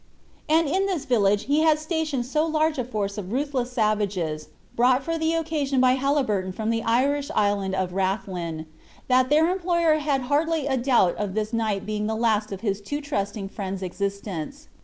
And in this village he had stationed so large a force of ruthless savages (brought for the occasion by Haliburton from the Irish island of Rathlin), that their employer had hardly a doubt of this night being the last of his too trusting friend's existence.